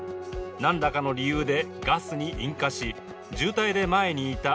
何らかの理由でガスに引火し、渋滞で前にいた